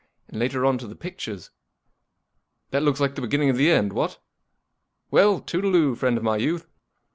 And later on to the pictures. That looks like the beginning of the end, what ? Well, toodle oo, friend of my youth.